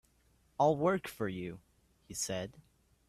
"I'll work for you," he said.